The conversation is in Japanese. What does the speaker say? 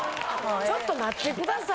ちょっと待って下さい。